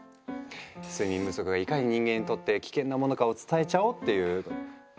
睡眠不足がいかに人間にとって危険なものかを伝えちゃおうっていう。